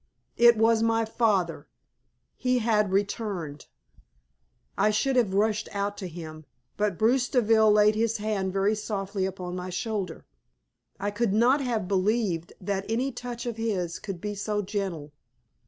It was my father he had returned. I should have rushed out to him, but Bruce Deville laid his hand very softly upon my shoulder. I could not have believed that any touch of his could be so gentle.